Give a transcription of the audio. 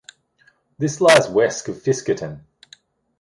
This lies west of Fiskerton.